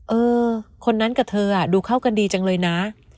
เออคนนั้นกับเธอดูเข้ากันดีจังเลยนะ